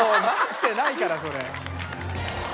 待ってないからそれ。